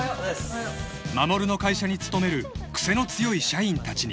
［衛の会社に勤める癖の強い社員たちに］